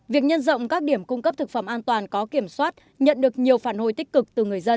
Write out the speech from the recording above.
việc nhân rộng các điểm cung cấp thực phẩm an toàn có kiểm soát nhận được nhiều phản hồi tích cực từ người dân